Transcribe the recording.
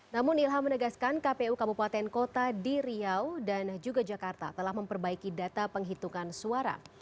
namun ilham menegaskan kpu kabupaten kota di riau dan juga jakarta telah memperbaiki data penghitungan suara